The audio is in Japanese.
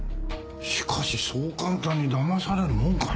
しかしそう簡単にだまされるものかね。